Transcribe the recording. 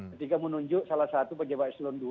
ketika menunjuk salah satu pejabat selon dua